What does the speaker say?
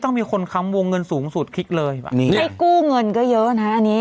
ที่รูปสูดคลิกเลยให้กู้เงินก็เยอะนะ